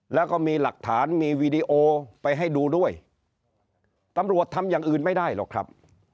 แล้วก็มีหลักฐานมีวีดีโอไปให้ดูด้วยตำรวจทำอย่างอื่นไม่ได้หรอกครับ